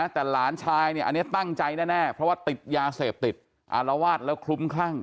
แต่หลานชายตั้งใจแน่น่าเพราะว่าติดยาเสบติดอาระวาสแล้วครุมคลั่ง